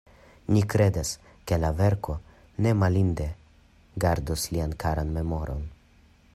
Ni kredas, ke la verko ne malinde gardos lian karan memoron.